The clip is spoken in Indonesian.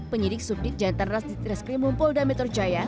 penyidik subjek jantan ras di tres krimumpolda metro jaya